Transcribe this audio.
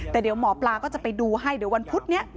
แต่เดี๋ยวหมอปลาก็จะไปดูให้เดี๋ยววันพุธนี้